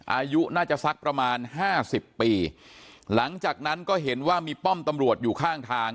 อายุน่าจะสักประมาณห้าสิบปีหลังจากนั้นก็เห็นว่ามีป้อมตำรวจอยู่ข้างทาง